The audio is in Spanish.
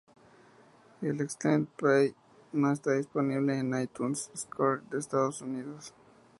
El extended play no está disponible en el iTunes Store de Estados Unidos.